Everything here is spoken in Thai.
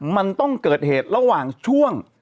มันต้องเกิดเหตุระหว่างช่วง